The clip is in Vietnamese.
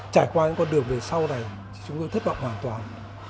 trải qua những con đường về sau này chúng tôi thất vọng hoàn toàn